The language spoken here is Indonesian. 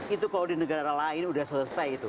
itu kalau di negara lain sudah selesai itu